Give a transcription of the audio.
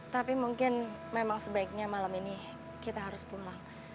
tapi mungkin memang sebaiknya malam ini kita harus pulang